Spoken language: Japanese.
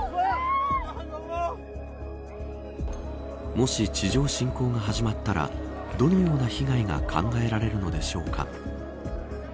もし、地上侵攻が始まったらどのような被害が考えられるのでしょうか。